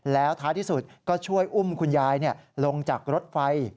แล้วท้ายที่สุดก็ช่วยอุ้มคุณยายลงจากรถไฟ